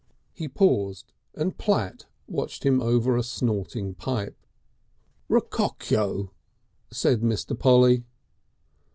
He paused, and Platt watched him over a snorting pipe. "Rockcockyo," said Mr. Polly.